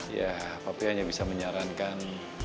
ya tapi hanya bisa menyarankan